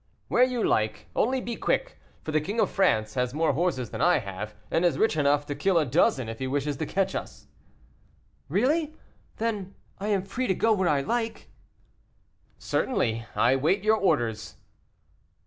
"Where you like, only be quick, for the King of France has more horses than I have, and is rich enough to kill a dozen if he wishes to catch us." "Really, then, I am free to go where I like?" "Certainly, I wait your orders."